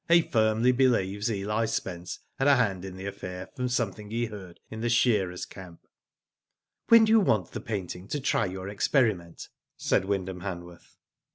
" He firmly believes Eli Spence had a hand in the affair from something he heard in the shearers' camp." *'When do you want the painting to try your experiment?" said Wyndham Hanworth.